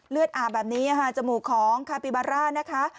เลือดอาแบบนี้จมูกของคาปิบาร่านะคะ